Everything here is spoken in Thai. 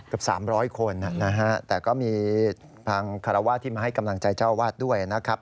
เกือบ๓๐๐คนนะฮะแต่ก็มีทางคารวาสที่มาให้กำลังใจเจ้าวาดด้วยนะครับ